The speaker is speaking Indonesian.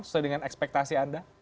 sesuai dengan ekspektasi anda